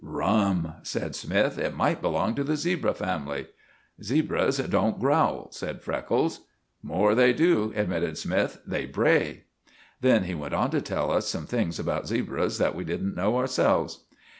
"Rum," said Smythe. "It might belong to the zebra family." "Zebras don't growl," said Freckles. "More they do," admitted Smythe. "They bray." Then he went on to tell us some things about zebras that we didn't know ourselves.